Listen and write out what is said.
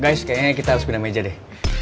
guys kayaknya kita harus pindah meja deh